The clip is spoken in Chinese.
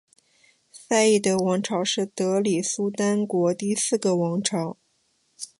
赛义德王朝是德里苏丹国第四个王朝。